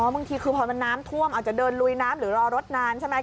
บางทีคือพอมันน้ำท่วมอาจจะเดินลุยน้ำหรือรอรถนานใช่ไหม